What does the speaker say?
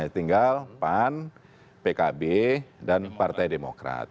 tinggal pan pkb dan partai demokrat